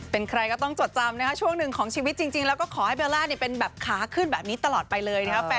เป็นใครก็ต้องจดจำนะคะช่วงหนึ่งของชีวิตจริงแล้วก็ขอให้เบลล่าเป็นแบบขาขึ้นแบบนี้ตลอดไปเลยนะครับ